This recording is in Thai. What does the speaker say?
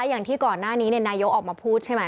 อย่างที่ก่อนหน้านี้นายกออกมาพูดใช่ไหม